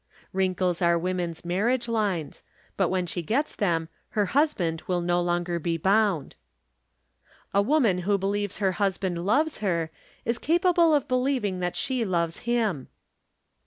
Wrinkles are woman's marriage lines; but when she gets them her husband will no longer be bound. The woman who believes her husband loves her, is capable of believing that she loves him.